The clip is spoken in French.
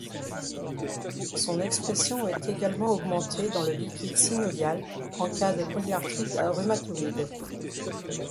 Son expression est également augmentée dans le liquide synovial en cas de polyarthrite rhumatoïde.